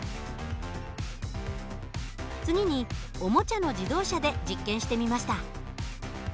次におもちゃの自動車で実験してみました。